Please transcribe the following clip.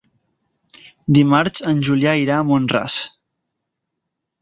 Dimarts en Julià irà a Mont-ras.